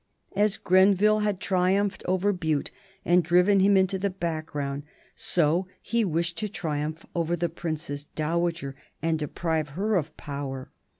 As Grenville had triumphed over Bute and driven him into the background, so he wished to triumph over the Princess Dowager and deprive her of power.